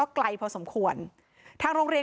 พอครูผู้ชายออกมาช่วยพอครูผู้ชายออกมาช่วย